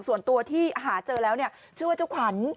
ส่วนตัวที่ชายเจอแล้วชื่อเจ้าขวัญ